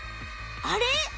あれ？